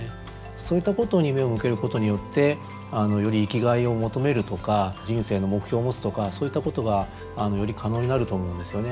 そういったことに目を向けることによってより生きがいを求めるとか人生の目標を持つとかそういったことがより可能になると思うんですよね。